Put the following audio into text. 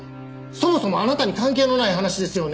そもそもあなたに関係のない話ですよね？